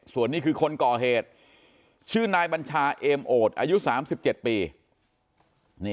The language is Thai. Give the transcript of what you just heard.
ส่วนนี้คือคนก่อเหตุชื่อนายบัญชาเอมโอดอายุ๓๗ปี